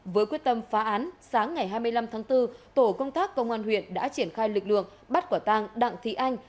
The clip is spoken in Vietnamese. với quyết tâm phá án sáng ngày hai mươi năm tháng bốn tổ công tác công an huyện đã triển khai lực lượng bắt quả tang đặng thị anh